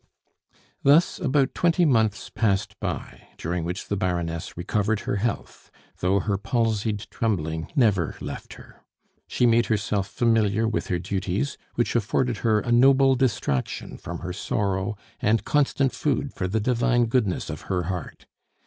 Thus, about twenty months passed by, during which the Baroness recovered her health, though her palsied trembling never left her. She made herself familiar with her duties, which afforded her a noble distraction from her sorrow and constant food for the divine goodness of her heart.